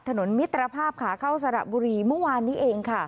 มิตรภาพขาเข้าสระบุรีเมื่อวานนี้เองค่ะ